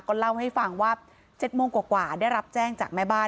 เล่าให้ฟังว่า๗โมงกว่าได้รับแจ้งจากแม่บ้าน